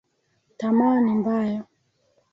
Tamaa ni mbaya